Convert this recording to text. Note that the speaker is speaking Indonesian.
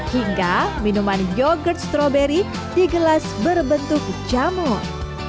hingga minuman yogurt strawberry di gelas berbentuk camur